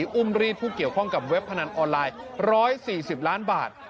อุ้มรีดผู้เกี่ยวข้องกับเว็บพนันออนไลน์๑๔๐ล้านบาท